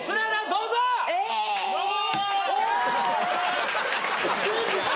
どうも！